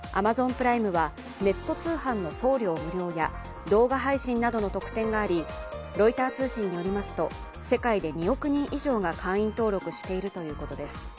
プライムはネット通販の送料無料や動画配信などの特典がありロイター通信によりますと世界で２億人以上が会員登録しているということです。